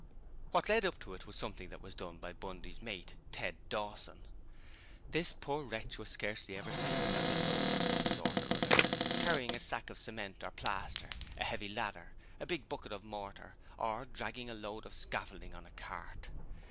What led up to it was something that was done by Bundy's mate, Ted Dawson. This poor wretch was scarcely ever seen without a load of some sort or other: carrying a sack of cement or plaster, a heavy ladder, a big bucket of mortar, or dragging a load of scaffolding on a cart.